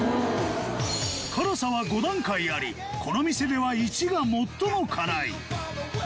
辛さは５段階ありこの店では１が最も辛い